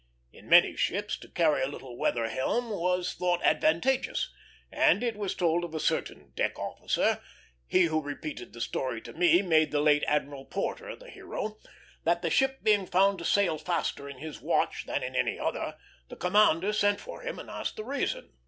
In many ships to carry a little weather helm was thought advantageous, and it was told of a certain deck officer he who repeated the story to me made the late Admiral Porter the hero that the ship being found to sail faster in his watch than in any other, the commander sent for him and asked the reason.